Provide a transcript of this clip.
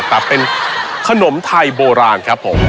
แต่เป็นขนมไทยโบราณครับผม